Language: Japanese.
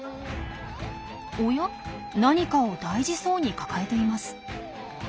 おやっ何かを大事そうに抱えています。